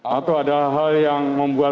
atau ada hal yang membuat